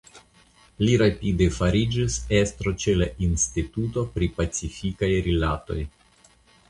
Li rapide fariĝis estro ĉe la Instituto pri Pacifikaj Rilatoj.